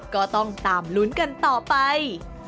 ก็ต้องตามลุ้นกันต่อไป